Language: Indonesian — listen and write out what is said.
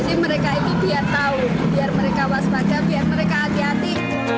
jadi mereka ini biar tahu biar mereka waspada biar mereka hati hati